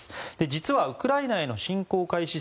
実はウクライナへの侵攻開始